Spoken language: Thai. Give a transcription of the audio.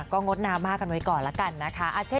ก็งดน้ำมากกันไว้ก่อนแล้วกันนะคะ